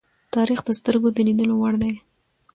تاریخ د سترگو د لیدلو وړ دی.